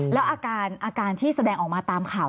แล้วอาการที่แสดงออกมาตามข่าว